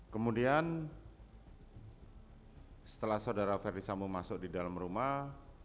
kemudian setelah saudara verdi sambu masuk di dalam rumah